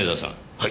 はい。